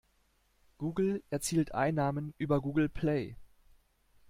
Google erzielt Einnahmen über Google Play.